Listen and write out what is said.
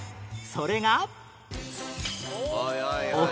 それが